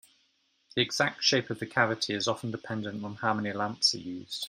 The exact shape of the cavity is often dependent on how many lamps are used.